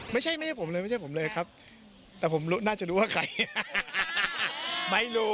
ไม่ใช่ผมเลยครับแต่ผมน่าจะรู้ว่าใคร